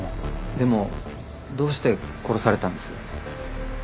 でもどうして殺されたんです？